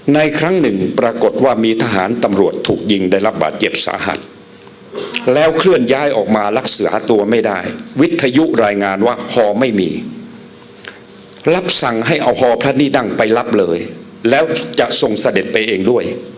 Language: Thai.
ในครั้งหนึ่งปรากฏว่ามีทหารต่อชด